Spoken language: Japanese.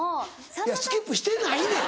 いやスキップしてないねん！